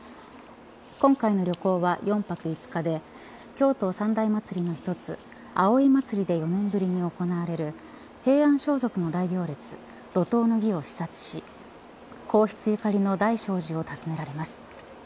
今回の旅行は４泊５日で京都三大祭りの一つ、葵祭で４年ぶりに行われる平安装束の大行列、路頭の儀を視察し皇室ゆかりの大聖寺を訪ねられます。